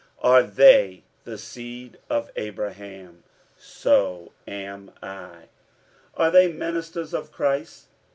Are they the seed of Abraham? so am I. 47:011:023 Are they ministers of Christ?